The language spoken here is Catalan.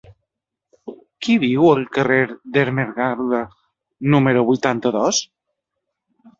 Qui viu al carrer d'Ermengarda número vuitanta-dos?